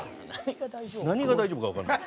何が大丈夫かわかんない。